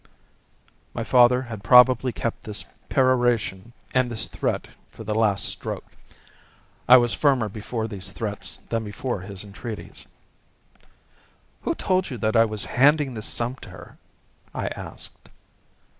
My father had probably kept this peroration and this threat for the last stroke. I was firmer before these threats than before his entreaties. "Who told you that I was handing this sum to her?" I asked.